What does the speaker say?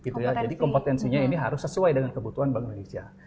jadi kompetensinya ini harus sesuai dengan kebutuhan bank indonesia